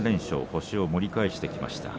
星を盛り返してきました。